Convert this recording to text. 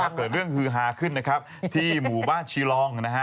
เกิดเรื่องฮือฮาขึ้นนะครับที่หมู่บ้านชีรองนะฮะ